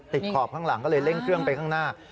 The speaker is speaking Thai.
ขอบข้างหลังก็เลยเร่งเครื่องไปข้างหน้า